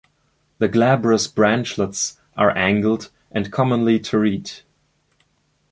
The glabrous branchlets are angled and commonly terete.